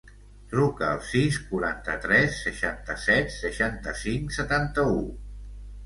Truca al sis, quaranta-tres, seixanta-set, seixanta-cinc, setanta-u.